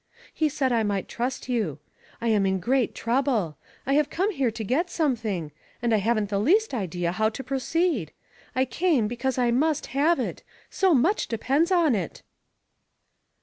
He said I might trust you. I am in great trouble. I have come here to get something and I haven't the least idea how to proceed. I came because I must have it so much depends on it."